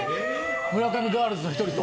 村上ガールズの１人と？